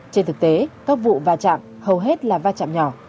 trên thực tế các vụ va chạm hầu hết là va chạm nhỏ